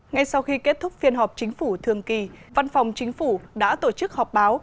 ngay sau khi kết thúc phiên họp chính phủ thường kỳ văn phòng chính phủ đã tổ chức họp báo